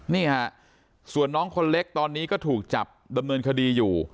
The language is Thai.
นี่ฮะส่วนน้องคนเล็กตอนนี้ก็ถูกจับดำเนินคดีอยู่